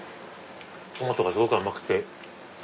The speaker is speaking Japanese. トマトがすごく甘くて。